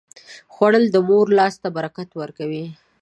خوړل د مور لاس ته برکت ورکوي